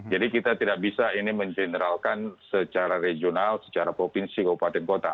jadi kita tidak bisa ini mengeneralkan secara regional secara provinsi keupatan kota